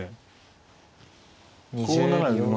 ５七馬